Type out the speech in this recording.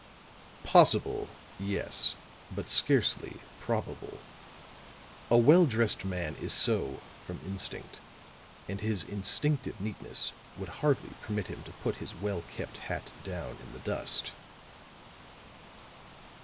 "Possible yes but scarcely probable. A well dressed man is so from instinct. And his instinctive neatness would hardly permit him to put his well kept hat down in the dust."